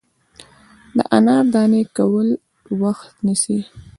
د انار دانې کول وخت نیسي.